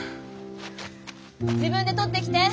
自分で取ってきて。